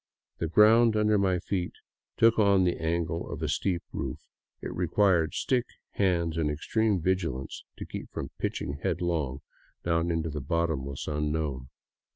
The ground under my feet took on the angle of a steep roof ; it required stick, hands, and extreme vigilance to keep from pitching headlong down into the bottomless unknown.